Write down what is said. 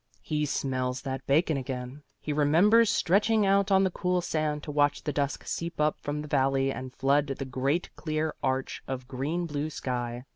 He smells that bacon again; he remembers stretching out on the cool sand to watch the dusk seep up from the valley and flood the great clear arch of green blue sky.